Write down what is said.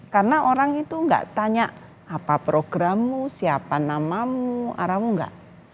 karena orang itu enggak tanya apa programmu siapa namamu aramu enggak